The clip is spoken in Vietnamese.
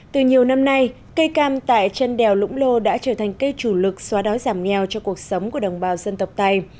từ nhiều năm nay cây cam tại chân đèo lũng lô đã trở thành cây chủ lực xóa đói giảm nghèo cho cuộc sống của đồng bào dân tộc tài